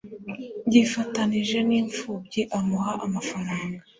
yifatanije nimpfubyi amuha amafaranga